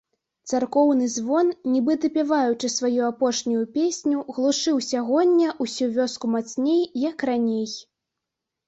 Царкоўны звон, нібы дапяваючы сваю апошнюю песню, глушыў сягоння ўсю вёску мацней, як раней.